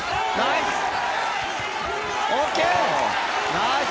ナイス。